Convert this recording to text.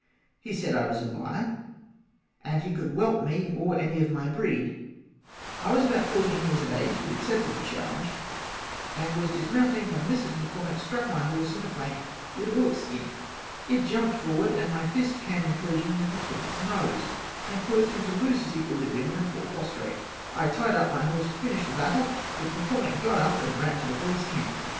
he said I was a liar & he could welt me or any of my breed I was about 14 years of age but accepted the challenge and dismounting when Mrs McCormack struck my horse in the flank with a bullock's skin it jumped forward and my fist came in collision with McCormack's nose and caused him to loose his equillibrium and fall postrate I tied up my horse to finish the battle but McCormack got up and ran to the Police camp.